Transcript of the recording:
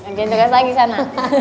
nanti aku kasih lagi sana